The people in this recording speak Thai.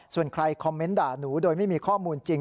ส่วนใครคอมเมนต์ด่าหนูโดยไม่มีข้อมูลจริง